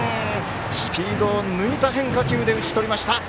スピードを抜いた変化球で打ち取りました。